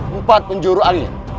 empat penjuru angin